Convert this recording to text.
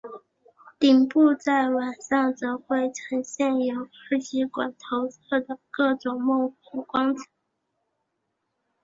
顶部在晚上则会呈现由二极管投射的各种梦幻光彩。